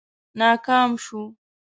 ناکام شو.